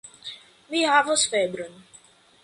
Mi havas febron.